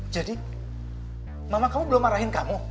jadi mama kamu belum marahin kamu